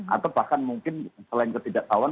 atau bahkan mungkin selain ketidaktahuan